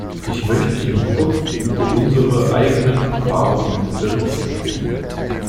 Ich möchte Ihnen kurz über unsere eigenen Erfahrungen berichten.